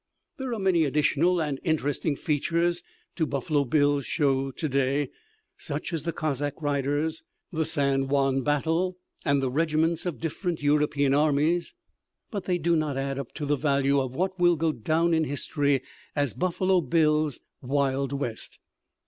There are many additional and interesting features to Buffalo Bill's show to day, such as the Cossack riders, the San Juan battle, and the regiments of different European armies. But they do not add to the value of what will go down in history as "Buffalo Bill's Wild West."